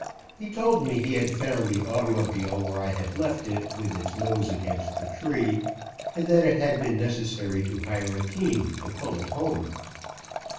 He told me he had found the automobile where I had left it with its nose against the tree, and that it had been necessary to hire a team to pull it home.